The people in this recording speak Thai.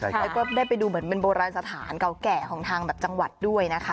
แล้วก็ได้ไปดูเหมือนเป็นโบราณสถานเก่าแก่ของทางแบบจังหวัดด้วยนะคะ